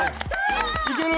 いける？